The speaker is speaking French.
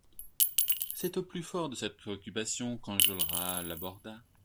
C'est au plus fort de cette préoccupation qu'Enjolras l'aborda.